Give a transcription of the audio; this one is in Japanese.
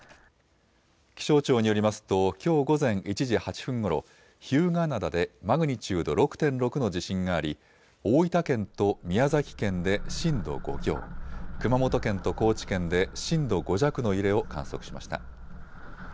気象庁によりますときょう午前１時８分ごろ、日向灘で、マグニチュード６．６の地震があり、大分県と宮崎県で震度を５強、熊本県と高知県で震度５弱の揺れを観測しました。